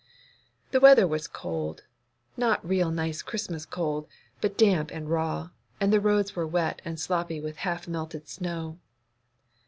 The weather was cold—not real nice Christmas cold, but damp and raw, and the roads were wet and sloppy with half melted snow.